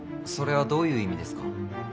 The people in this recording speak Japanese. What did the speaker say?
それはどういう意味ですか？